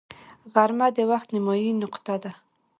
غرمه د وخت نیمايي نقطه ده